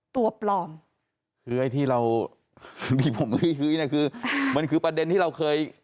ตัวปลอมคือไอ้ที่เราที่ผมหุ้ยเนี่ยคือมันคือประเด็นที่เราเคย